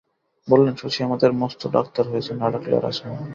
বললেন, শশী আমাদের মস্ত ডাক্তার হয়েছে, না ডাকলে আর আসা হয় না।